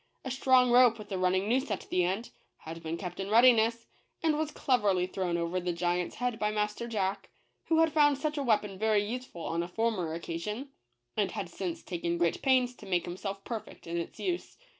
A strong rope, with a running noose at the end, had been kept in readiness, and was cleverly thrown over the giants head by Master Jack, who had found such a weapon very useful on a former occasion, and had since taken great pains to make himself perfect in its use.